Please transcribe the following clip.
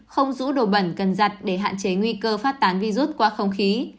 không rũ đồ bẩn cần giặt để hạn chế nguy cơ phát tán virus qua không khí